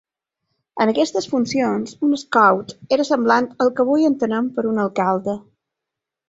En aquestes funcions, un "schout" era semblant al que avui entenem per un alcalde.